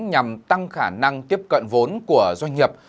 nhằm tăng khả năng tiếp cận vốn của doanh nghiệp